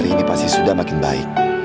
di mana kamu berada sekarang